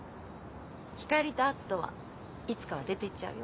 光莉と篤斗はいつかは出て行っちゃうよ？